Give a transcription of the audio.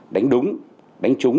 đánh đúng đánh trúng